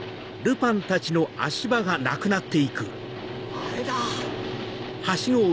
あれだ！